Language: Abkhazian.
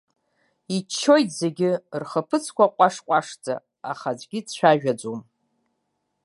Иччоит зегьы, рхаԥыцқәа ҟәаш-ҟәашӡа, аха аӡәгьы дцәажәаӡом.